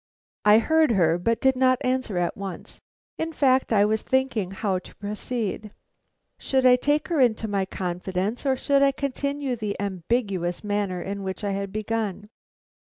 I heard her, but did not answer at once. In fact, I was thinking how to proceed. Should I take her into my confidence, or should I continue in the ambiguous manner in which I had begun.